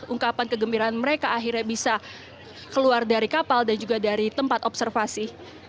ungkapan kegembiraan mereka akhirnya bisa keluar dari kapal dan juga dari tempat observasi